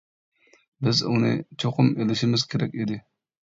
بىز ئۇنى چوقۇم ئېلىشىمىز كېرەك ئىدى.